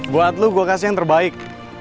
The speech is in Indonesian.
buat lo gue kasih yang terbaik